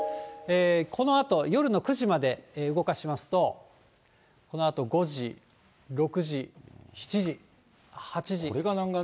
このあと夜の９時まで動かしますと、このあと５時、６時、７時、８時。